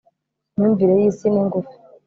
myumvire y'isi ni ngufi